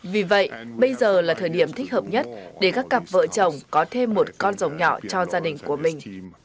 vì vậy bây giờ là thời điểm thích hợp nhất để các cặp vợ chồng có thêm một con rồng nhỏ cho gia đình của mình